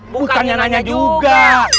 bukannya nanya juga